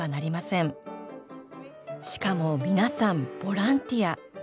しかも皆さんボランティア！